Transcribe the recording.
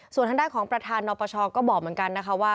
ส่วนทางด้านของประธานนปชก็บอกเหมือนกันนะคะว่า